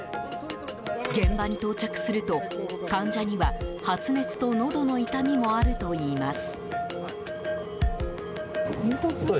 現場に到着すると患者には発熱とのどの痛みもあるといいます。